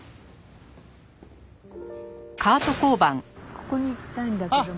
ここに行きたいんだけども。